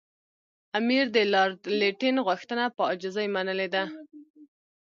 امیر د لارډ لیټن غوښتنه په عاجزۍ منلې ده.